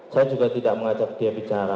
saya juga tidak mengajak dia bicara